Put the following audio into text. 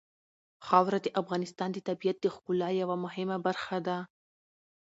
خاوره د افغانستان د طبیعت د ښکلا یوه مهمه برخه ده.